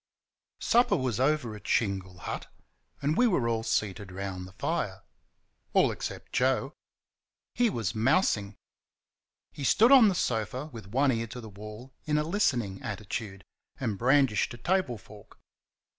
Supper was over at Shingle Hut, and we were all seated round the fire all except Joe. He was mousing. He stood on the sofa with one ear to the wall in a listening attitude, and brandished a table fork.